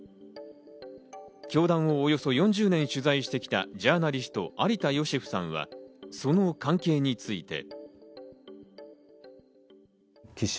教団をおよそ４０年取材してきたジャーナリスト・有田芳生さんはその関係について。